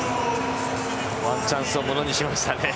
ワンチャンスをものにしましたね。